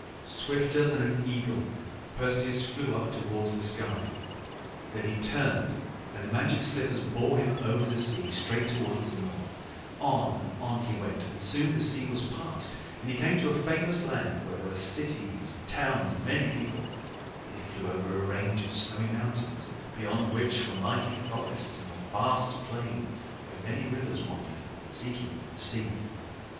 Swifter than an eagle, Perseus flew up towards the sky. Then he turned, and the Magic Slippers bore him over the sea straight towards the north. On and on he went, and soon the sea was passed; and he came to a famous land, where there were cities and towns and many people. And then he flew over a range of snowy mountains, beyond which were mighty forests and a vast plain where many rivers wandered, seeking for the sea.